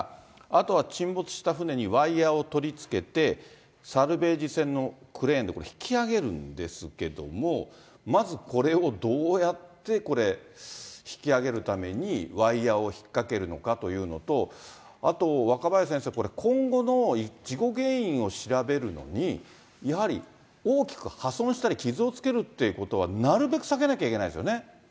あとは沈没した船にワイヤを取り付けて、サルベージ船のクレーンでこれ、引き揚げるんですけども、まずこれをどうやってこれ、引き揚げるために、ワイヤーを引っ掛けるのかっていうのと、あと、若林先生、これ、今後の事故原因を調べるのに、やはり大きく破損したり、傷をつけるってことは、なるべく避けなきゃいけないですよね。